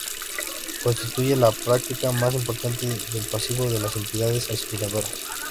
Constituyen la partida más importante del pasivo de las entidades aseguradoras.